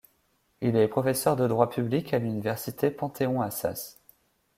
Il est professeur de droit public à l'Université Panthéon-Assas.